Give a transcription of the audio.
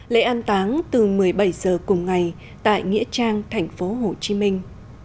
lễ an táng từ một mươi bảy giờ cùng ngày tại nghĩa trang thành phố hồ chí minh